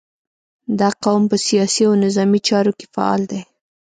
• دا قوم په سیاسي او نظامي چارو کې فعال دی.